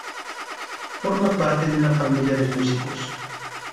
Forma parte de una familia de músicos.